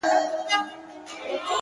• وئېل ئې دا د خپلو خواهشونو غلامان دي ,